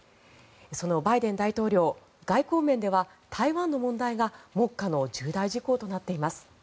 そのバイデン大統領外交面では台湾の問題が目下の重大事項となっています。